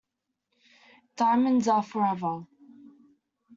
Diamonds are forever.